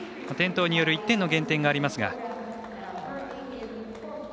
転倒による１点の減点がありますが。